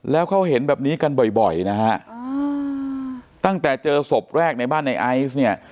แล้วเขาเห็นแบบนี้กันบ่อยนะฮะตั้งแต่เจอศพแรกในบ้านในไอซ์เนี่ย